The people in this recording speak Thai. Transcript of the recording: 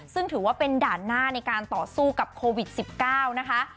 ซึ่งถือว่าเป็นด่านหน้าในการต่อสู้กับโควิด๑๙นะคะ